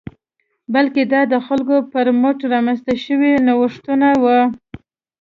بلکې دا د خلکو پر مټ رامنځته شوي نوښتونه وو